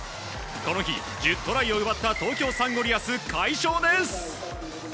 この日、１０トライを奪った東京サンゴリアス、快勝です！